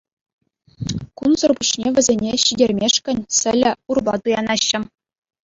Кунсӑр пуҫне вӗсене ҫитермешкӗн сӗлӗ, урпа туянаҫҫӗ.